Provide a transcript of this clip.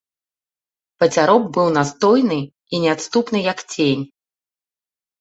Пацяроб быў настойны і неадступны, як цень.